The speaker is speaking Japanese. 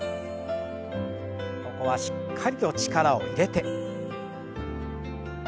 ここはしっかりと力を入れて。